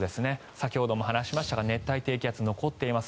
先ほども話しましたが熱帯低気圧が残っています。